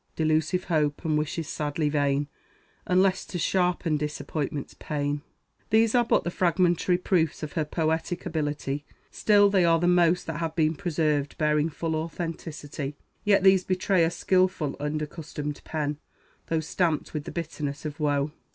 Delusive hope, and wishes sadly vain, Unless to sharpen disappointment's pain. These are but the fragmentary proofs of her poetic ability; still they are the most that have been preserved bearing full authenticity; yet these betray a skilful and accustomed pen, though stamped with the bitterness of woe.